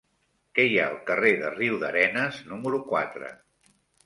Què hi ha al carrer de Riudarenes número quatre?